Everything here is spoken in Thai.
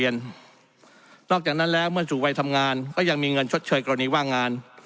นอกจากนั้นแล้วเมื่อสู่วัยทำงานก็ยังมีเงินชดเชยกรณีว่างงาน